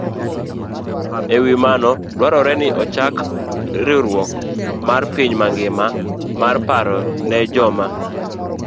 E wi mano, dwarore ni ochak riwruok mar piny mangima mar paro ne joma